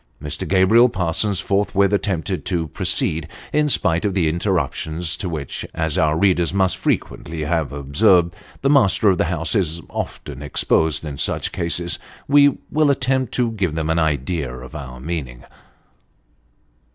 Mr. Gabriel Parsons forthwith attempted to proceed, in spite of the interruptions to which, as our readers must frequently have observed, the master of the house is often exposed in such cases. We will attempt to give them an idea of our meaning.